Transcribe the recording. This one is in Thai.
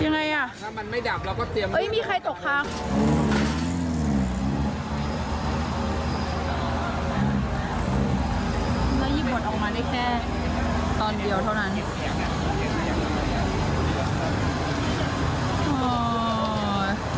เหลือยี่หมดออกมาได้แค่ตอนเดียวเท่านั้น